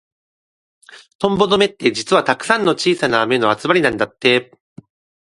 トンボの目って、実はたくさんの小さな目の集まりなんだって。